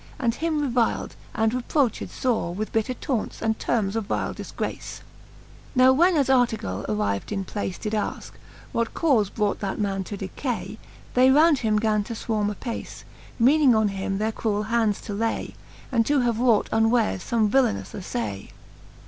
And him reviled, and reproched fore With bitter taunts, and termes of vile difgracc. Now when as Artegall, arriv'd in place. Did afke what caufe brought that man to decay, They round about him gan to fwarme apace, Meaning on him their cruell hands to lay, And to have wrought unwares fbme villanous afTay.